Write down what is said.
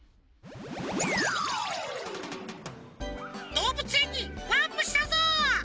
どうぶつえんにワープしたぞ！